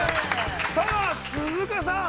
さあ鈴鹿さん。